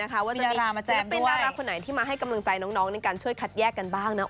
ว่าจะมีศิลปินดาราคนไหนที่มาให้กำลังใจน้องในการช่วยคัดแยกกันบ้างนะ